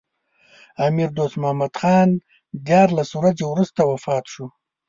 امیر دوست محمد خان دیارلس ورځې وروسته وفات شو.